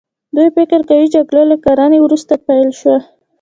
دوی فکر کوي جګړه له کرنې وروسته پیل شوه.